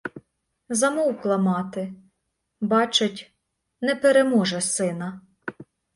Замовкла мати: бачить — не переможе сина.